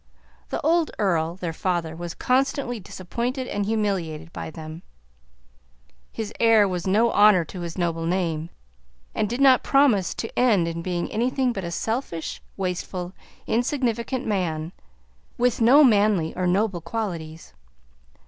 The old Earl, their father, was constantly disappointed and humiliated by them; his heir was no honor to his noble name, and did not promise to end in being anything but a selfish, wasteful, insignificant man, with no manly or noble qualities.